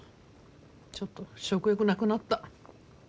ちょっと食欲なくなった。